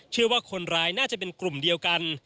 เชื่อว่าคนร้ายน่าจะเป็นกลุ่มเดียวกัน